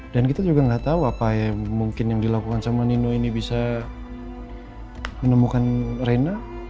dan kita juga gak tau apa yang mungkin yang dilakukan sama nino ini bisa menemukan rena